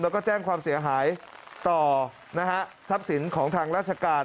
แล้วก็แจ้งความเสียหายต่อนะฮะทรัพย์สินของทางราชการ